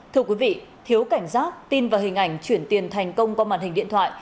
thưa quý vị thiếu cảnh giác tin vào hình ảnh chuyển tiền thành công qua màn hình điện thoại